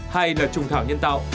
hai là trùng thảo nhân tạo